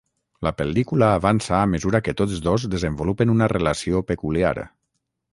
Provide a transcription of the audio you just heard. La pel·lícula avança a mesura que tots dos desenvolupen una relació peculiar.